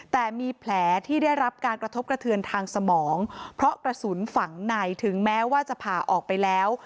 แต่มีแผลที่ได้รับการกระทบกระเทือนทางสมองเพราะกระสุนฝังในถึงแม้ว่าจะผ่าออกไปแล้ว